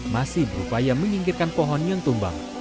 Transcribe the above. masih berupaya menyingkirkan pohon yang tumbang